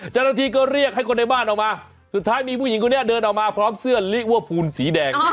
เจ้าหน้าที่ก็เรียกให้คนในบ้านออกมาสุดท้ายมีผู้หญิงคนนี้เดินออกมาพร้อมเสื้อลิเวอร์พูลสีแดง